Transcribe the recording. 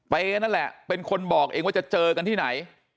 นั่นแหละเป็นคนบอกเองว่าจะเจอกันที่ไหน